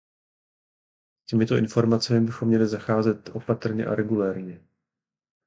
S těmito informacemi bychom měli zacházet opatrně a regulérně.